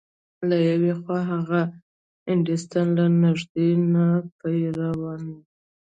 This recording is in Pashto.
له يوې خوا هغه ايډېسن له نږدې نه پېژانده.